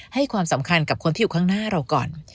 ให้ความสำคัญกับคนที่อยู่ข้างหน้าเราก่อน